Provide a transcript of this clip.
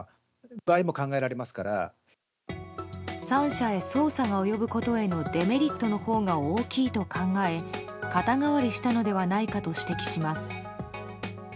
３社へ捜査が及ぶことへのデメリットのほうが大きいと考え肩代わりしたのではないかと指摘します。